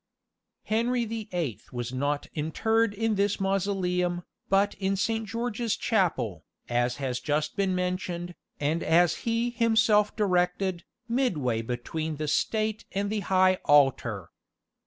Henry the Eighth was not interred in this mausoleum, but in Saint George's Chapel, as has just been mentioned, and as he himself directed, "midway between the state and the high altar."